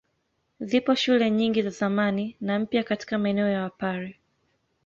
Zipo shule nyingi za zamani na mpya katika maeneo ya Wapare.